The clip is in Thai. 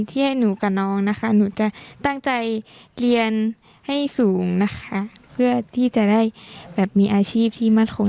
ที่ให้หนูกับน้องนะคะหนูจะตั้งใจเรียนให้สูงนะคะเพื่อที่จะได้แบบมีอาชีพที่มั่นคง